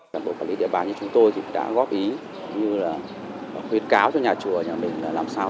bộ quản lý địa bàn như chúng tôi thì đã góp ý như là khuyến cáo cho nhà chùa nhà mình là làm sao